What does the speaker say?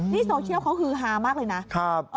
นี่โซเชียลเขาฮือฮามากเลยนะ